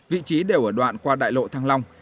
vị trí đều ở đoạn qua đại lộ thăng long